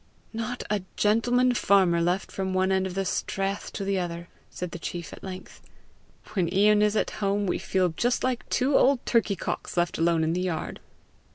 "Not a gentleman farmer left from one end of the strath to the other!" said the chief at length. "When Ian is at home, we feel just like two old turkey cocks left alone in the yard!"